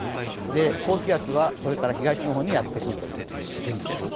高気圧はこれから東の方にやってくるという天気です。